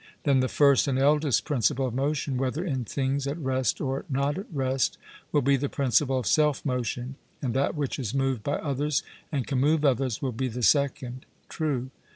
Then the first and eldest principle of motion, whether in things at rest or not at rest, will be the principle of self motion; and that which is moved by others and can move others will be the second. 'True.'